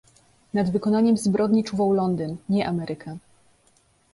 "Nad wykonaniem zbrodni czuwał Londyn, nie Ameryka."